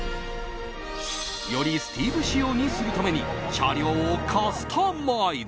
よりスティーブ仕様にするために車両をカスタマイズ。